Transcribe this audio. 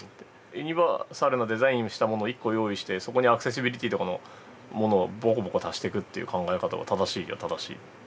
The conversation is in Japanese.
ユニバーサルなデザインしたものを一個用意してそこにアクセシビリティーとかのものをボコボコ足していくっていう考え方は正しいよ正しい。